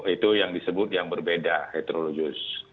itu yang disebut yang berbeda heterologis